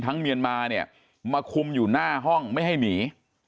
เมียนมาเนี่ยมาคุมอยู่หน้าห้องไม่ให้หนี